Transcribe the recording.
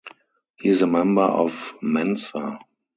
He is a member of Mensa.